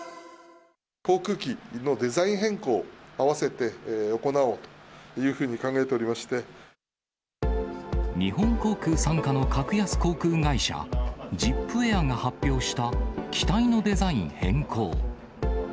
航空機のデザイン変更をあわせて行おうというふうに考えてお日本航空傘下の格安航空会社、ＺＩＰＡＩＲが発表した機体のデザイン変更。